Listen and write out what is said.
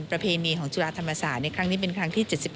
ประเพณีของจุฬาธรรมศาสตร์ในครั้งนี้เป็นครั้งที่๗๑